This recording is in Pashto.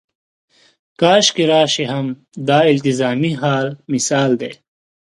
کاشکې راشي هم د التزامي حال مثال دی.